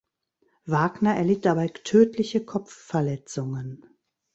Wagner erlitt dabei tödliche Kopfverletzungen.